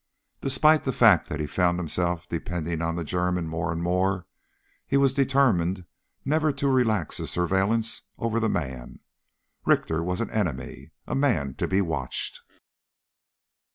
Despite the fact that he found himself depending on the German more and more, he was determined never to relax his surveillance over the man. Richter was an enemy a man to be watched.